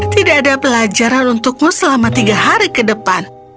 tidak ada pelajaran untukmu selama tiga hari ke depan